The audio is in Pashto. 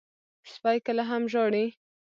سپي کله هم ژاړي.